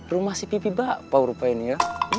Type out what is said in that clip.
rumah si pipi bak paur pai ini ya